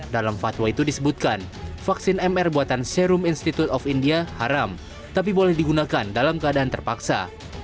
dalam fatwa itu disebutkan vaksin mr buatan serum institute of india haram tapi boleh digunakan dalam keadaan terpaksa